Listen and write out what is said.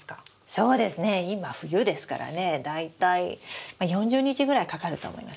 そうですね今冬ですからね大体４０日ぐらいかかると思います。